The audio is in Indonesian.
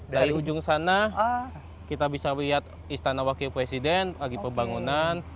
dari ujung sana kita bisa lihat istana wakil presiden lagi pembangunan